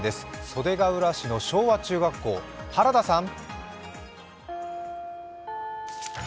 袖ケ浦市の昭和中学校、原田さん！